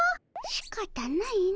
しかたないの。